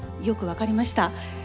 よく分かりました。